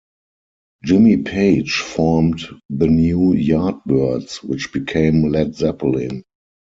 Jimmy Page formed "the New Yardbirds", which became Led Zeppelin.